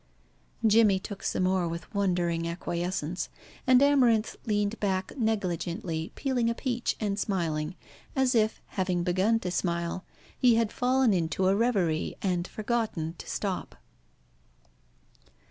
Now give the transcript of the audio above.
Jimmy took some more with wondering acquiescence, and Amarinth leaned back negligently peeling a peach, and smiling as if, having begun to smile, he had fallen into a reverie and forgotten to stop.